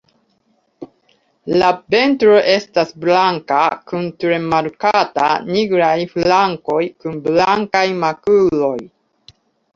La ventro estas blanka kun tre markata nigraj flankoj kun blankaj makuloj.